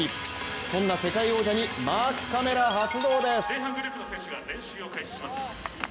そんな世界王者にマークカメラ発動です。